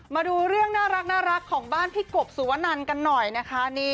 มาดูเรื่องน่ารักของบ้านพี่กบสุวนันกันหน่อยนะคะ